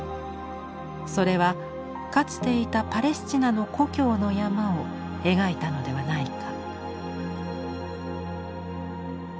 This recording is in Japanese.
それはかつていたパレスチナの故郷の山を描いたのではないか。